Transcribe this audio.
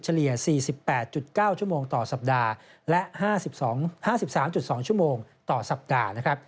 เลี่ย๔๘๙ชั่วโมงต่อสัปดาห์และ๕๓๒ชั่วโมงต่อสัปดาห์